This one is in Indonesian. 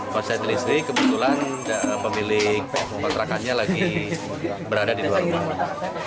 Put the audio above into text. konsensi kebetulan pemilik kontrakannya lagi berada di luar rumah